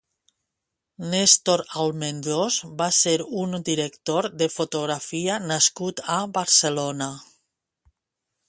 Néstor Almendros va ser un director de fotografia nascut a Barcelona.